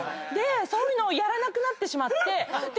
そういうのをやらなくなってしまって。